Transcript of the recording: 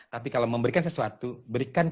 tapi kalau memberikan sesuatu berikan